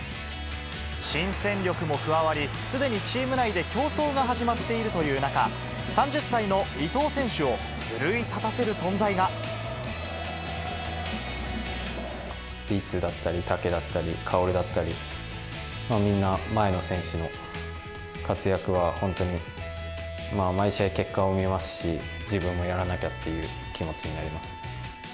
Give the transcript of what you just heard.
新戦力も加わり、すでにチーム内で競争が始まっているという中、３０歳の伊東選手律だったり、タケだったり、薫だったり、みんな、前の選手の活躍は本当に毎試合、結果も見ますし、自分もやらなきゃっていう気持ちになります。